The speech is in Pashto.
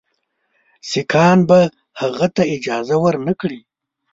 سیکهان به هغه ته اجازه ورنه کړي.